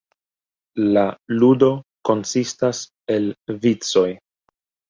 La ludo konsistas el vicoj.